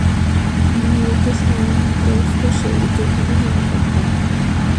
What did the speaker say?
ভীত সন্ত্রস্ত যেখানে নিরাপত্তা পায়।